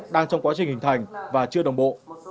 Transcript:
đang trong quá trình hình thành và chưa đồng bộ